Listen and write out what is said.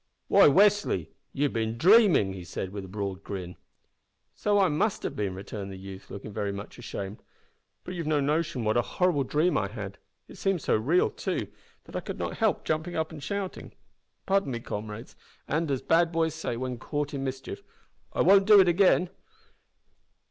"Why, Westly, you've been dreaming," he said with a broad grin. "So I must have been," returned the youth, looking very much ashamed, "but you've no notion what a horrible dream I had. It seemed so real, too, that I could not help jumping up and shouting. Pardon me, comrades, and, as bad boys say when caught in mischief, `I won't do it again!'"